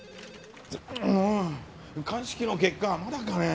もう鑑識の結果はまだかね？